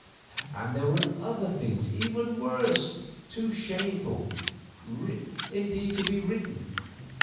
And there were other things even worse, too shameful, indeed, to be written.